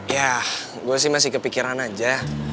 ya gue sih masih kepikiran aja